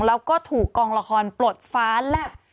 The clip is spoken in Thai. แล้วก็ถูกกองละครปลดฟ้าแลบ